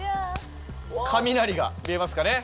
雷が見えますかね？